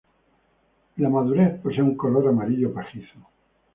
En la madurez posee un color amarillo pajizo.